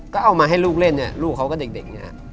ก็เอามาให้ลูกเล่นลูกเขาก็เด็ก